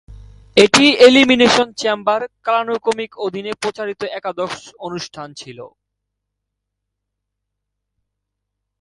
এটি elimination chamber কালানুক্রমিকের অধীনে প্রচারিত একাদশ অনুষ্ঠান ছিল।